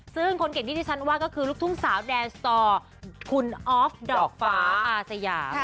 ซึ่งคนเก่งที่ที่ฉันว่าก็คือลูกทุ่งสาวแดนสตอร์คุณออฟดอกฟ้าอาสยาม